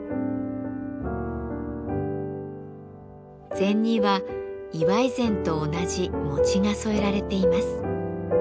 膳には祝い膳と同じ餅が添えられています。